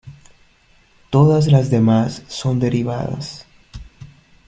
Todas las demás son derivadas.